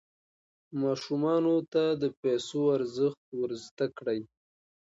ماشومانو ته د پیسو ارزښت ور زده کړئ.